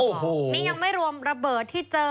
นี่ยังไม่รวมระเบิดที่เจอ